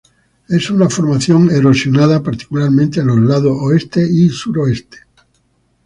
Es una formación erosionada, particularmente en los lados oeste y suroeste.